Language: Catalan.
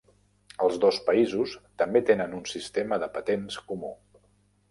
Els dos països també tenen un sistema de patents comú.